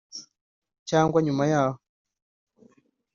cyangwa nyuma yaho